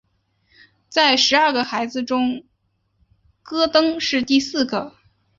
在十二个孩子中戈登是第四个。